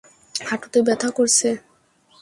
হাঁটুতে ব্যথা করছে?